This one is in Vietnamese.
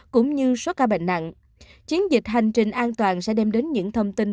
cũng như số ca bệnh nặng chiến dịch hành trình an toàn sẽ đem đến những thông tin